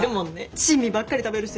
珍味ばっかり食べる人でしょ？